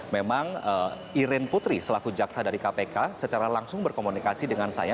memang iren putri selaku jaksa dari kpk secara langsung berkomunikasi dengan saya